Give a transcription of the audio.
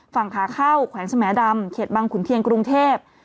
ฝั่งขาเข้าแขวงสมดำเขตบังขุนเทียนกรุงเทพ